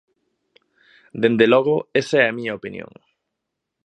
Dende logo, esa é a miña opinión.